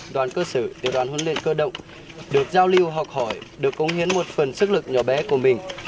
đoàn cơ sở tiểu đoàn huấn luyện cơ động được giao lưu học hỏi được công hiến một phần sức lực nhỏ bé của mình